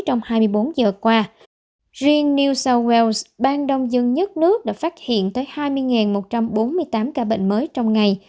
trong hai mươi bốn giờ qua riêng new south wales bang đông dân nhất nước đã phát hiện tới hai mươi một trăm bốn mươi tám ca bệnh mới trong ngày